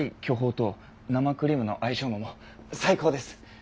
巨峰と生クリームの相性も最高です。